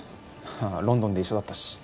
ロンドンで一緒だったし。